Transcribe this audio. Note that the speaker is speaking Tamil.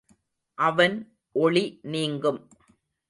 அவன் ஒளி நீங்கும்.